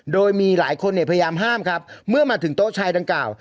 โดยมีหลายคนเนี่ยพยายามห้ามครับเมื่อมาถึงโต๊ะชายดังกล่าว